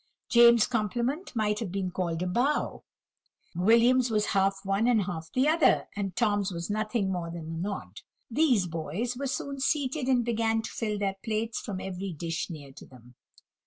James's compliment might have been called a bow; William's was half one and half the other; and Tom's was nothing more than a nod. These boys were soon seated, and began to fill their plates from every dish near to them.